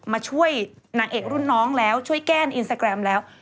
มาช่วยนางเอกรุ่นน้องแล้วช่วยแก้นอินสตาแกรมแล้ว